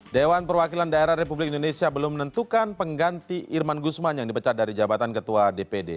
dewan perwakilan daerah republik indonesia belum menentukan pengganti irman guzman yang dipecat dari jabatan ketua dpd